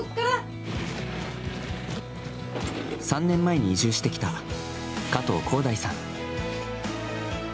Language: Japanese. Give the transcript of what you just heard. ３年前に移住してきた加藤広大さん。